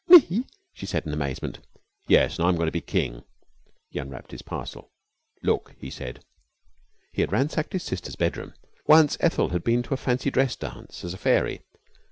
"Me?" she said in amazement. "Yes. An' I'm goin' to be King." He unwrapped his parcel. "Look!" he said. He had ransacked his sister's bedroom. Once Ethel had been to a fancy dress dance as a Fairy.